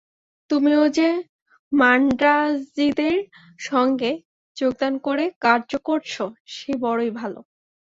তুমিও যে মান্দ্রাজীদের সঙ্গে যোগদান করে কার্য করছ, সে বড়ই ভাল।